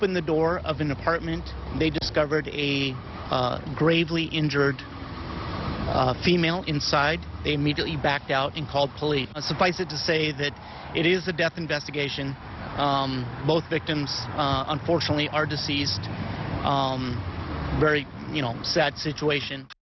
ตอนจะด้วยที่ไปถึงเนี่ยยังไม่เสียชีวิตนะคะคือบาดเจ็บสาหัดอยู่อ่ะ